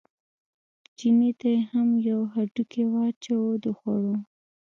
چیني ته یې هم یو هډوکی واچاوه د خوړو.